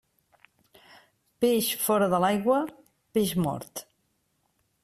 Peix fora de l'aigua, peix mort.